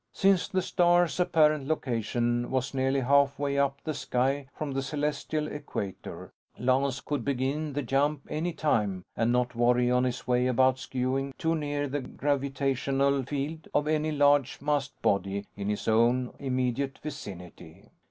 Since the star's apparent location was nearly halfway up the sky from the celestial equator, Lance could begin the jump any time and not worry on his way about skewing too near the gravitational field of any large massed body in his own immediate vicinity.